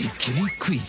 クイズ！」。